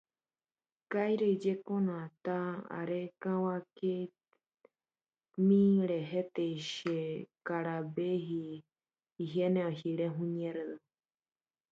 Sin embargo, la propiedad anterior implica que todo ideal de derecho es principal.